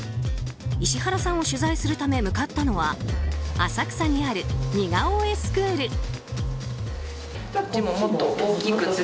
石原さんを取材するため向かったのは浅草にある似顔絵スクール。